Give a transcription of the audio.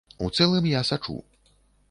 У цэлым, я сачу.